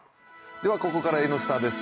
ではここから「Ｎスタ」です。